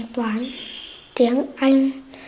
toán tiếng anh